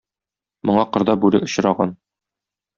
Моңа кырда бүре очраган.